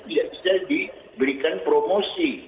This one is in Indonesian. tidak bisa diberikan promosi